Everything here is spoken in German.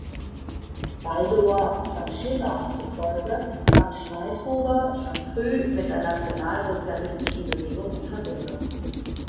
Baldur von Schirach zufolge kam Schneidhuber schon früh mit der nationalsozialistischen Bewegung in Verbindung.